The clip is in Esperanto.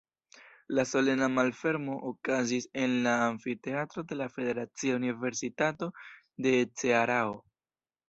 La solena malfermo okazis en la amfiteatro de la Federacia Universitato de Cearao.